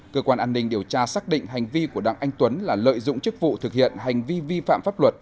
cơ quan an ninh điều tra xác định hành vi của đặng anh tuấn là lợi dụng chức vụ thực hiện hành vi vi phạm pháp luật